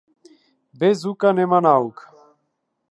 Без ука нема наука.